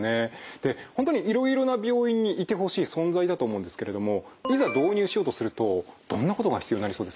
で本当にいろいろな病院にいてほしい存在だと思うんですけれどもいざ導入しようとするとどんなことが必要になりそうですか？